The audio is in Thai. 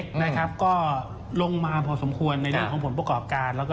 ก็ลงมาพอสมควรในเรื่องของผลประกอบการ